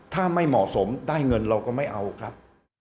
ถ้าไม่เหมาะสมได้เงินเราก็ไม่เอาครับ